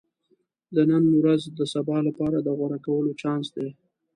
• د نن ورځ د سبا لپاره د غوره کولو چانس دی.